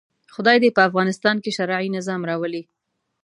خدای دې په افغانستان کې شرعي نظام راولي.